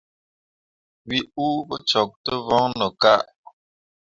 We uu pǝ cok tǝ voŋno ka.